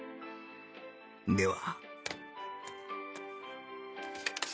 では